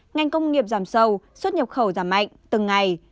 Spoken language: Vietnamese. ngành công nghiệp giảm sâu xuất nhập khẩu giảm mạnh từng ngày